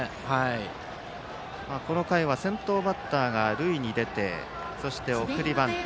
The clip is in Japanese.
この回は先頭バッターが塁に出てそして送りバント。